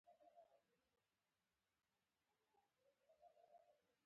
دا یوه لویه تېروتنه ده چې ګران عواقب به ولري